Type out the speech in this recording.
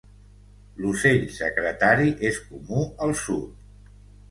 L'ocell secretari és comú al sud.